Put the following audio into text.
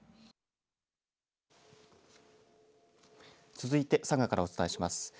続いて佐賀からお伝えします。